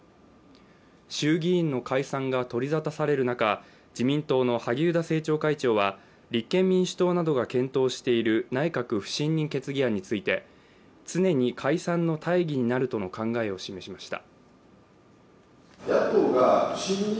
衆議院の解散が取り沙汰される中自民党の萩生田政調会長は立憲民主党などが検討している内閣不信任決議案について常に解散の大義になるとの考えを示しました。